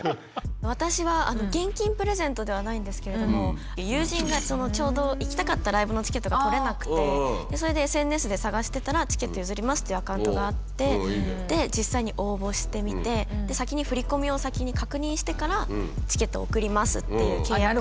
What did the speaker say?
私は現金プレゼントではないんですけれども友人がちょうど行きたかったライブのチケットが取れなくてそれでっていうアカウントがあって実際に応募してみて先に振り込みを先に確認してからチケットを送りますっていう契約。